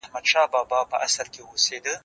موبایل وکاروه.